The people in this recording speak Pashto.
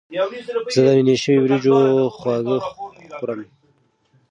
زه د نینې شوي وریجو خواږه خوړم.